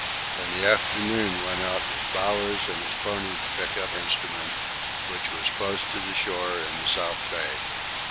In the afternoon went out with Bowers and his pony to pick up instrument, which was close to the shore in the South Bay.